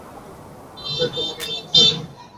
তাই তোমরা সবাই আরেকটু সাহসী হয়ে থাকো, ঠিক আছে?